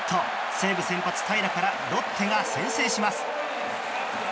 西武先発、平良からロッテが先制します。